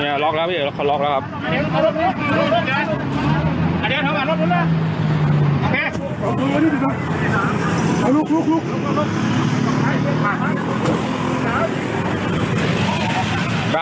นี่นี่โรกแล้วเพื่อขอโรกแล้วะ